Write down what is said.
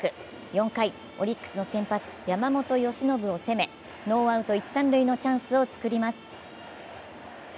４回、オリックスの先発・山本由伸を攻めノーアウト、一・三塁のチャンスを作ります。